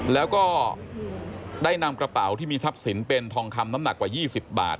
แล้วก็ได้นำกระเป๋าที่มีทรัพย์สินเป็นทองคำน้ำหนักกว่า๒๐บาท